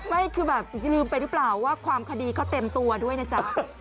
ไม่คือแบบลืมไปหรือเปล่าว่าความคดีเขาเต็มตัวด้วยนะจ๊ะ